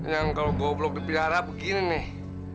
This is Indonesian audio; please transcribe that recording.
yang kalo goblok dipihara begini nih